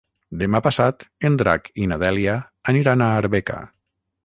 Demà passat en Drac i na Dèlia aniran a Arbeca.